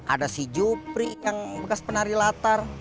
ada si jupri yang bekas penari latar